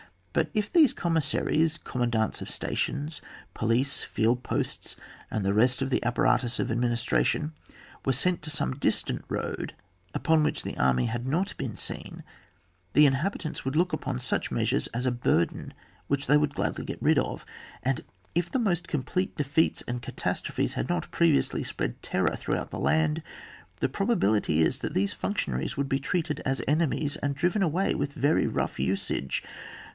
But if iJiese commissaries, com mandants of stations, police, fieldposts, and the rest of the apparatus of admini stration, were sent to some distant road upon which the army had not been seen, the inhabitants then would look upon such measures as a burden which they would gladly get rid of, and if the most complete defeats and catastrophes had not previously spread terror throughout the land, the probability is that these functionaries would be treated as ene mies, and driven away with very rough usage.